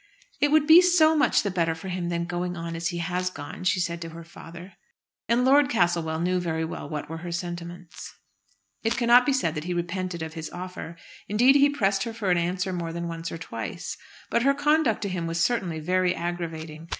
"It would be so much better for him than going on as he has gone," she said to her father. And Lord Castlewell knew very well what were her sentiments. It cannot be said that he repented of his offer. Indeed he pressed her for an answer more than once or twice. But her conduct to him was certainly very aggravating.